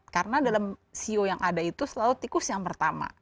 karena dalam siok yang ada itu selalu tikus yang pertama